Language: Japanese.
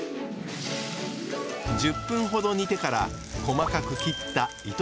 １０分ほど煮てから細かく切った糸